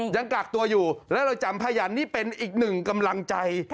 ยังกักตัวอยู่แล้วเราจำพยันนี่เป็นอีกหนึ่งกำลังใจ